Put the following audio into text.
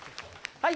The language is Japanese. はい。